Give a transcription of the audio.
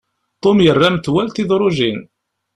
Tom yerra metwal tidrujin.